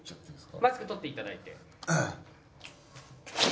マスク取っていただいて。